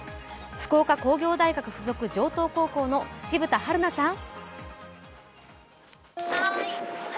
福岡工業大学城東高校附属の渋田陽菜さん。